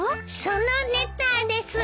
そのネターです！